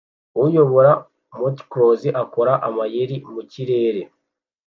Uyobora motocross akora amayeri mu kirere